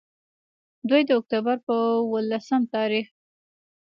دوي د اکتوبر پۀ ولسم تاريخ